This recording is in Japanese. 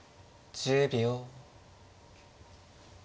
１０秒。